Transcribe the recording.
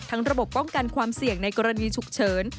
ระบบป้องกันความเสี่ยงในกรณีฉุกเฉิน